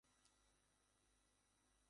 ছাত্রী দের জন্য রয়েছে একটি আলাদা ছাত্রী আবাস।